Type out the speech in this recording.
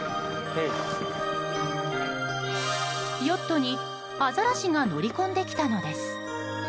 ヨットにアザラシが乗り込んできたのです。